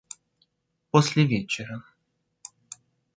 После вечера.